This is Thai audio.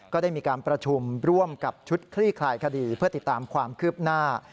ก็ได้มีการประชุมร่วมกับชุดคลี่คลายคดีเพื่อติดตามความคืบหน้า